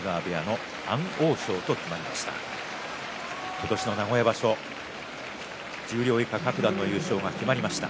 今年の名古屋場所十両以下各段の優勝が決まりました。